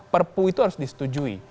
perpu itu harus disetujui